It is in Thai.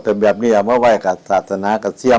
แต่แบบนี้เอามาไห้กับศาสนาเกษียม